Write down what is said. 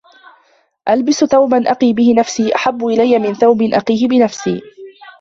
أَلْبَسُ ثَوْبًا أَقِي بِهِ نَفْسِي أَحَبُّ إلَيَّ مِنْ ثَوْبٍ أَقِيهِ بِنَفْسِي